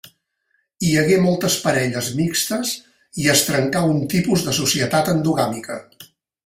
Hi hagué moltes parelles mixtes i es trencà un tipus de societat endogàmica.